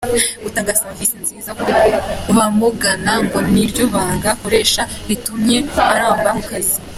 Gutanga serivisi nziza ku bamugana ngo ni ryo banga akoresha ritumye aramba mu kazi.